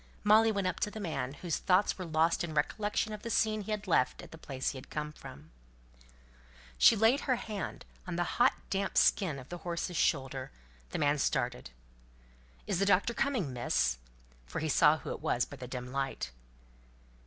Molly went up to the man, whose thoughts were lost in recollection of the scene he had left at the place he had come from. She laid her hand on the hot damp skin of the horse's shoulder; the man started. "Is the doctor coming, Miss?" For he saw who it was by the dim light.